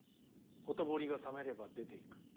ほとぼりが冷めれば出ていく。